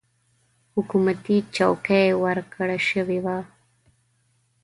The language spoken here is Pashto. حکومتي چوکۍ ورکړه شوې وه.